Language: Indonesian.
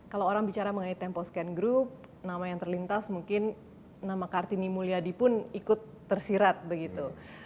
kalau orang bicara mengenai tempo scan group nama yang terlintas mungkin nama kartini mulyadi pun ikut tersirat begitu